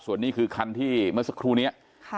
ส่วนนี้คือคันที่เมื่อสักครู่นี้